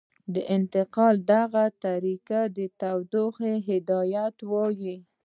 د انتقال دغې طریقې ته تودوخې هدایت وايي.